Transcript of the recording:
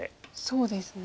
そうですね。